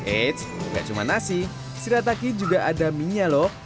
eits gak cuma nasi shirataki juga ada mie nya lho